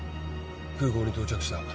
空港に到着した。